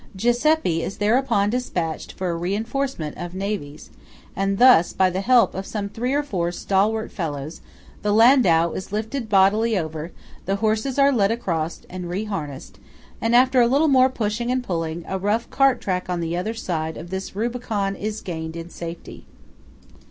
Giuseppe is thereupon dispatched for a reinforcement of navvies; and thus, by the help of some three or four stalwart fellows, the landau is lifted bodily over; the horses are led across and re harnessed; and, after a little more pushing and pulling, a rough cart track on the other side of this Rubicon in gained in safety.